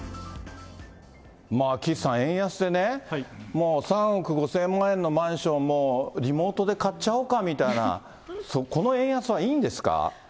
まあ、岸さん、円安でね、もう３億５０００万円のマンションも、リモートで買っちゃおうかみたいなこの円安はいいんですか。